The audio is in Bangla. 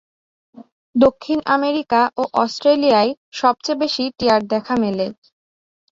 দক্ষিণ আমেরিকা ও অস্ট্রেলিয়ায় সবচেয়ে বেশি টিয়ার দেখা মেলে।